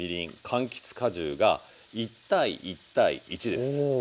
かんきつ果汁が１：１：１です。